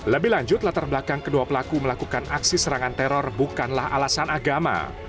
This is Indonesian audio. lebih lanjut latar belakang kedua pelaku melakukan aksi serangan teror bukanlah alasan agama